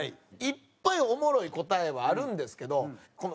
いっぱいおもろい答えはあるんですけど。